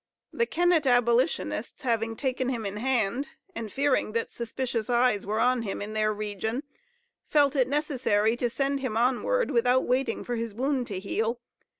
The Kennett abolitionists having taken him in hand, and fearing that suspicious eyes were on him in their region, felt it necessary to send him onward without waiting for his wound to heal.